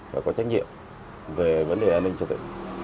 phải có trách nhiệm về vấn đề an ninh cho tự